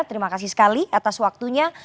terima kasih sekali atas waktunya